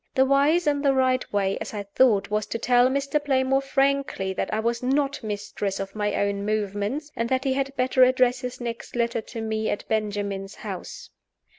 The wise and the right way, as I thought, was to tell Mr. Playmore frankly that I was not mistress of my Own movements, and that he had better address his next letter to me at Benjamin's house.